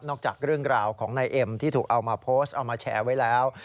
จากเรื่องราวของนายเอ็มที่ถูกเอามาโพสต์เอามาแชร์ไว้แล้ว